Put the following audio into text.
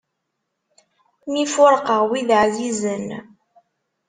Mi fuṛqeɣ wid ɛzizen.